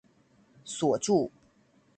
鎖住